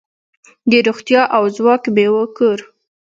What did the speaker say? د روغتیا او ځواک میوو کور.